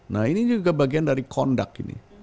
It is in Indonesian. nah ini juga bagian dari conduct ini